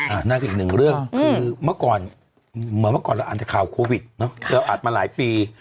อ่ะนั่นเป็นอีก๑เรื่องคือเหมือนเมื่อเมื่อก่อนเราอาจจะข่าวโควิดอาจมาหลายปี